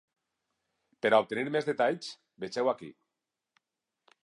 Per a obtenir més detalls, vegeu aquí.